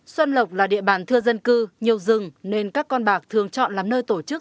xuân lộc là địa bàn thưa dân cư nhiều rừng nên các con bạc thường chọn làm nơi tổ chức